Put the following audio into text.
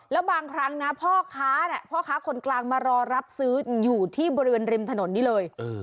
แล้วบางครั้งนะพ่อค้าพ่อค้าคนกลางมารอรับซื้ออยู่ที่บริเวณริมถนนนี้เลย